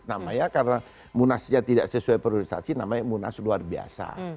namanya karena munasnya tidak sesuai priorisasi namanya munas luar biasa